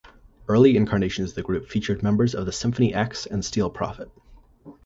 Early incarnations of the group featured members of Symphony X and Steel Prophet.